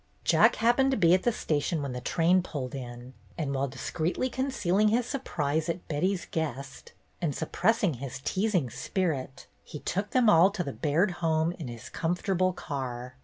Jack happened to be at the station when the train pulled in, and while discreetly con cealing his surprise at Betty's guest, and sup pressing his teasing spirit, he took them all to the Baird home in his comfortable car.